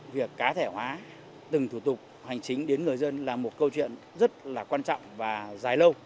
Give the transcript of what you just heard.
việc cá thể hóa từng thủ tục hành chính đến người dân là một câu chuyện rất là quan trọng và dài lâu